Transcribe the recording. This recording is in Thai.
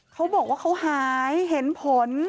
เขาบอกว่าเขาหายเห็นผล